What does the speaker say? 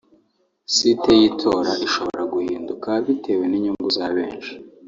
site y’itora ishobora guhinduka bitewe n’inyungu za benshi